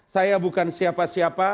saya bukan siapa siapa